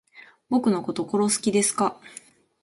僕のこと殺す気ですか